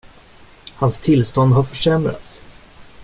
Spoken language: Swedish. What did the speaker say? Hans tillstånd har försämrats.